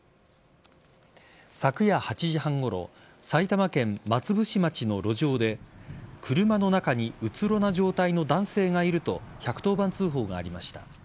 昨夜８時半ごろ埼玉県松伏町の路上で車の中にうつろな状態の男性がいると１１０番通報がありました。